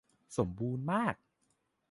สมบูรณ์มาก !